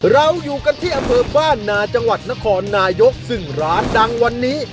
เราอยู่กันที่อำเภอบ้านนาจังหวัดนครนายกซึ่งร้านดังวันนี้